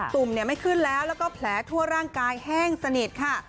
ุ่มไม่ขึ้นแล้วแล้วก็แผลทั่วร่างกายแห้งสนิทค่ะ